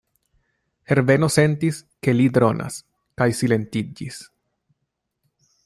Herbeno sentis, ke li dronas, kaj silentiĝis.